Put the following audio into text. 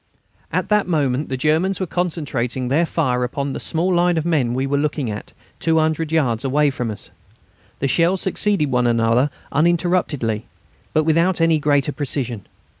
At that moment the Germans were concentrating their fire upon that small line of men we were looking at, 200 yards away from us. The shells succeeded one another uninterruptedly, but without any greater precision.